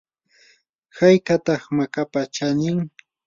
¿haykataq makapa chanin?